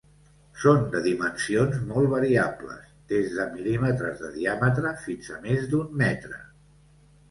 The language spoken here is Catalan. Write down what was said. Són de dimensions molt variables, des de mil·límetres de diàmetre fins a més d'un metre.